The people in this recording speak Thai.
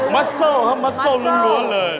มัสเซิลครับมัสเซิลรวมเลย